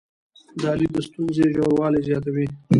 دا لید د ستونزې ژوروالي زیاتوي.